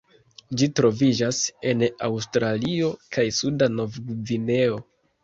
Ĝi troviĝas en Aŭstralio kaj suda Novgvineo.